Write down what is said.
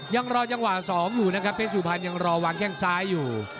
ยังรอจังหวะ๒อยู่นะครับเพชรสุพรรณยังรอวางแข้งซ้ายอยู่